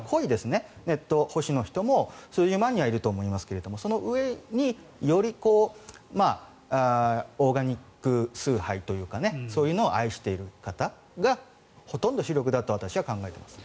ネット保守の人も数十万人もいると思いますがその上によりオーガニック崇拝というかそういうのを愛している方がほとんど主力だと私は考えています。